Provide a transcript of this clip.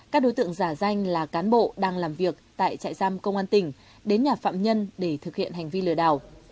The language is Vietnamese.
các đối tượng giả danh là cán bộ đang làm việc tại trại giam công an tỉnh đến nhà phạm nhân để thực hiện hành vi lừa đảo